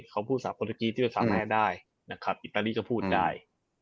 เขาพูดศัพท์โปรติกีที่สามารถได้อิตาลีก็พูดได้